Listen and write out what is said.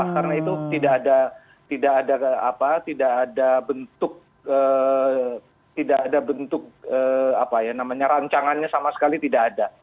karena itu tidak ada bentuk tidak ada bentuk apa ya namanya rancangannya sama sekali tidak ada